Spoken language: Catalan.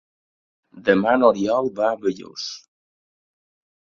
Demà n'Oriol va a Bellús.